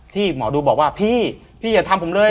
หมอดูบอกว่าพี่พี่อย่าทำผมเลย